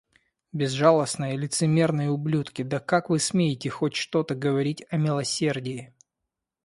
Безжалостные лицемерные ублюдки, да как вы смеете хоть что-то говорить о милосердии!